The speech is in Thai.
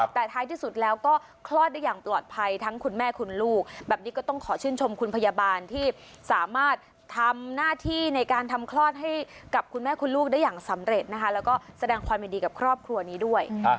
แต่ท้ายที่สุดแล้วก็คลอดได้อย่างปลอดภัยทั้งคุณแม่คุณลูกแบบนี้ก็ต้องขอชื่นชมคุณพยาบาลที่สามารถทำหน้าที่ในการทำคลอดให้กับคุณแม่คุณลูกได้อย่างสำเร็จนะคะแล้วก็แสดงความยินดีกับครอบครัวนี้ด้วย